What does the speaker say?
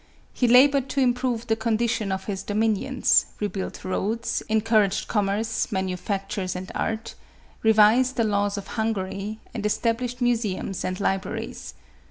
He labored to improve the condition of his dominions, rebuilt roads, encouraged commerce, manu factures and art, revised the laws of Hungary, and es tablished museums and libraries.